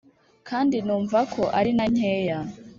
kandi numva ko ari na nkeya